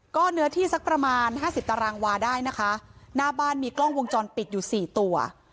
ก็เนื้อที่สักประมาณห้าสิบตารางวาได้นะคะหน้าบ้านมีกล้องวงจรปิดอยู่สี่ตัว